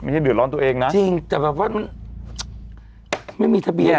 เดือดร้อนตัวเองนะจริงแต่แบบว่ามันไม่มีทะเบียน